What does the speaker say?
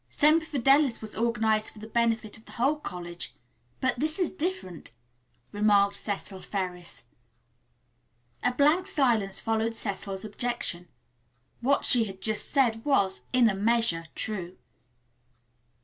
Semper Fidelis was organized for the benefit of the whole college, but this is different," remarked Cecil Ferris. A blank silence followed Cecil's objection. What she had just said was, in a measure, true.